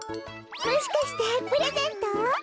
もしかしてプレゼント？